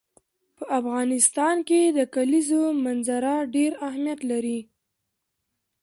په افغانستان کې د کلیزو منظره ډېر اهمیت لري.